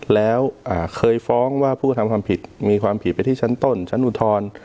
แล้วเคยฟ้องว่าผู้กระทำความผิดมีความผิดไปที่ชั้นต้นชั้นอุทธรณ์